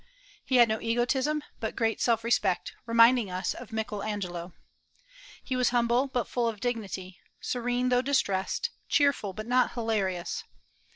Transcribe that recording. He had no egotism, but great self respect, reminding us of Michael Angelo. He was humble but full of dignity, serene though distressed, cheerful but not hilarious.